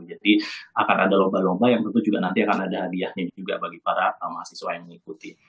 jadi akan ada lomba lomba yang tentu juga nanti akan ada hadiahnya juga bagi para mahasiswa yang mengikuti